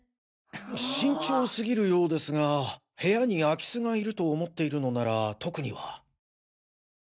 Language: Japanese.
慎重すぎるようですが部屋に空き巣が居ると思っているのなら特には。